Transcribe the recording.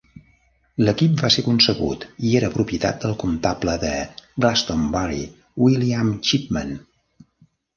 L'equip va ser concebut i era propietat del comptable de Glastonbury William Chipman.